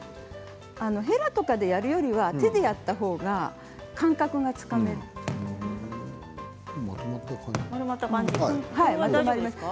へらでやるより手でやった方が感覚がつかめます。